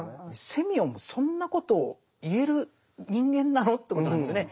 セミヨンもそんなことを言える人間なの？ってことなんですよね。